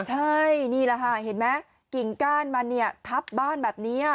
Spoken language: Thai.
ใช่นี่แหละค่ะเห็นไหมกิ่งก้านมันเนี่ยทับบ้านแบบนี้